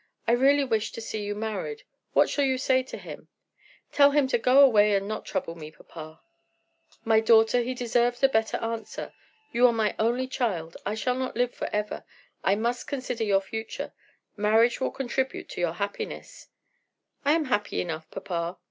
I really wish to see you married. What shall I say to him?" "Tell him to go away and not trouble me, papa." "My daughter, he deserves a better answer. You are my only child; I shall not live forever; I must consider your future. Marriage will contribute to your happiness." "I am happy enough, papa."